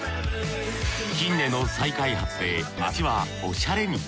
近年の再開発で街はおしゃれに。